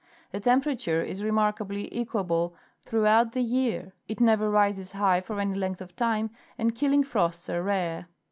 The temperature is remarkably equable throughout the year; it never rises high for any length of time, and killing frosts are rare.